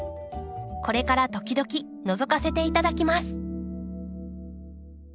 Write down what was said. これから時々のぞかせていただきます。